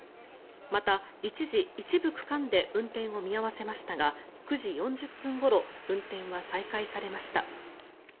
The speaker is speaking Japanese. また一時、一部区間で運転を見合わせましたが９時４０分ごろ運転は再開されました。